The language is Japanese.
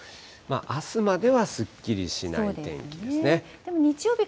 あすまではすっきりしない天気ですね。